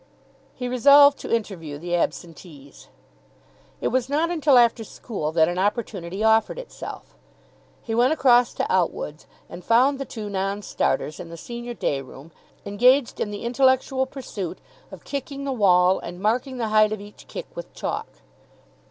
He resolved to interview the absentees. It was not until after school that an opportunity offered itself. He went across to Outwood's and found the two non starters in the senior day room, engaged in the intellectual pursuit of kicking the wall and marking the height of each kick with chalk.